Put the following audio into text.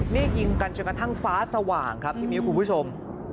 นี่ยิงกันจนกระทั่งฟ้าสว่างครับพี่มิ้วคุณผู้ชม